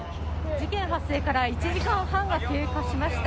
事件発生から１時間半が経過しました。